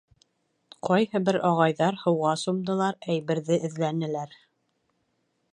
Ҡайһы бер ағайҙар һыуға сумдылар, әйберҙе эҙләнеләр.